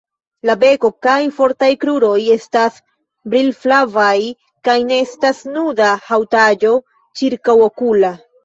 La beko kaj fortaj kruroj estas brilflavaj, kaj ne estas nuda haŭtaĵo ĉirkaŭokula.